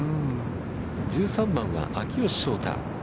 １３番は秋吉翔太。